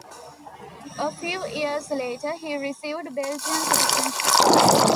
A few years later he received Belgian citizenship.